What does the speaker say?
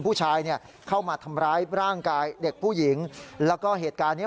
มึงตีหลานภูไหม